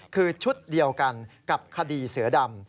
คือชุดเดียวกันกับคดีเสือดำ